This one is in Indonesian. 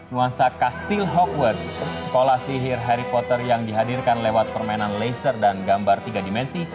nuansa kastil hawkwards sekolah sihir harry potter yang dihadirkan lewat permainan laser dan gambar tiga dimensi